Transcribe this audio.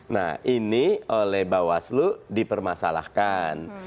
nah ini oleh bawaslu dipermasalahkan